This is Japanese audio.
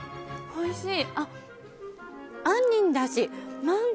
おいしい！